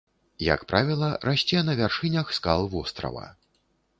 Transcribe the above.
Як правіла, расце на вяршынях скал вострава.